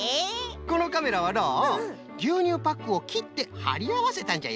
このカメラはのうぎゅうにゅうパックをきってはりあわせたんじゃよ。